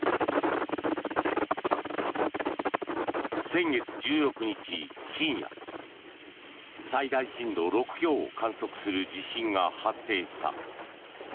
先月１６日深夜最大震度６強を観測する地震が発生した。